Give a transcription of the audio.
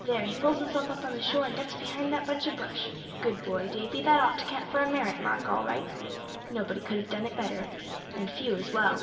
There, he pulls himself up on the shore, and ducks behind that bunch of brush! Good boy, Davy; that ought to count for a merit mark, all right. Nobody could have done it better, and few as well."